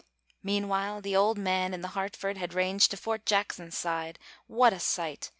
Meanwhile, the old man, in the Hartford, Had ranged to Fort Jackson's side; What a sight!